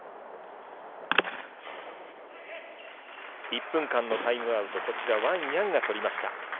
１分間のタイムアウト、こちら、ワン・ヤンが取りました。